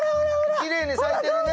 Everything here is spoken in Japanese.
きれいに咲いてるね。